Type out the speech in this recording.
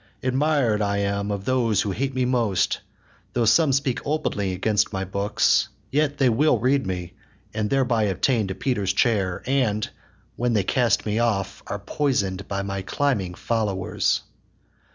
Admir'd I am of those that hate me most: Though some speak openly against my books, Yet will they read me, and thereby attain To Peter's chair; and, when they cast me off, Are poison'd by my climbing followers.